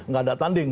gak ada tanding